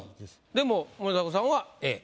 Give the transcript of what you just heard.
でも森迫さんはＡ。